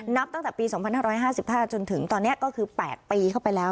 นับตั้งแต่ปี๒๕๕๕จนถึงตอนนี้ก็คือ๘ปีเข้าไปแล้ว